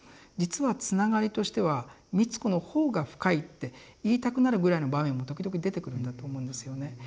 実はつながりとしては美津子の方が深いって言いたくなるぐらいの場面も時々出てくるんだと思うんですよね。